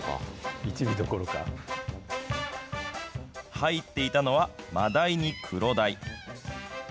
入っていたのは、マダイにクロダイ。